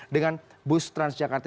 dengan bus transjakarta